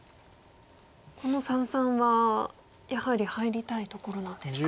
この三々はやはり入りたいところなんですか。